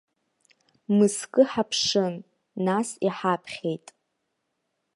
Мызкы ҳаԥшын, нас иҳаԥхьеит.